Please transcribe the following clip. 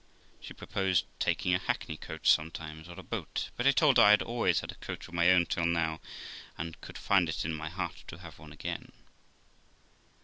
She proposed taking a hackney coach sometimes, or a boat; but I told her I had always had a coach of my own till now, and I could find in my heart to have one again.